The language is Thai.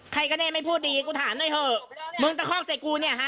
ใครก็แน่ไม่พูดดีกูถามหน่อยเถอะมึงตะคอกใส่กูเนี่ยฮะ